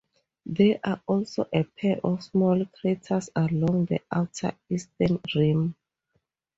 There are also a pair of small craters along the outer eastern rim.